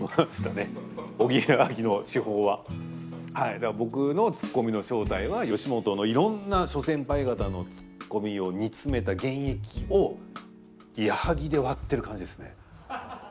だから僕のツッコミの正体は吉本のいろんな諸先輩方のツッコミを煮詰めた原液を矢作で割ってる感じですね。